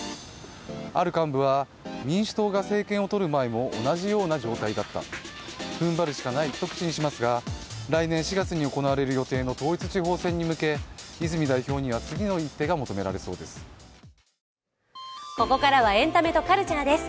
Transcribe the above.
ある幹部は、民主党が政権をとる前も同じような状態だった踏ん張るしかないと口にしますが、来年４月に行われる予定の統一地方選に向け、泉代表には次の一手が求められそうです。